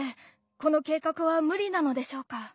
この計画は無理なのでしょうか。